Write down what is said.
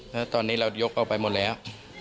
แล้วตอนนี้เรายกออกไปหมดแล้ว